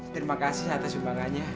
terima kasih atas sumbangannya